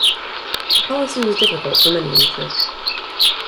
The policy was difficult for many in the church.